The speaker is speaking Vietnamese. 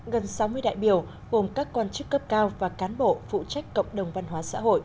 gần sáu mươi đại biểu gồm các quan chức cấp cao và cán bộ phụ trách cộng đồng văn hóa xã hội